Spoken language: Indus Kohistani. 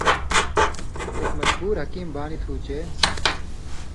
ایک مشہُور حکیم بانیۡ تُھو چے